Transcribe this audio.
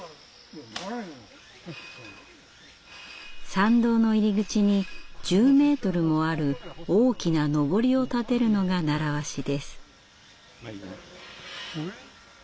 参道の入り口に１０ｍもある大きなのぼりを立てるのが習わしです。